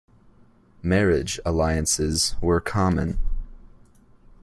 Marriage alliances were common.